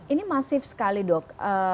ini masif sekali dok